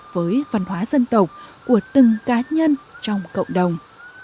với văn hóa dân tộc của từng cá nhân trong cộng đồng